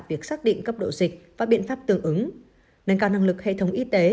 việc xác định cấp độ dịch và biện pháp tương ứng nâng cao năng lực hệ thống y tế